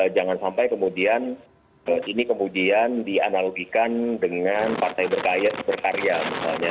jangan sampai kemudian ini kemudian dianalogikan dengan partai berkarya misalnya